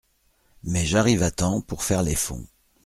Mais j’arrive à temps pour faire les fonds…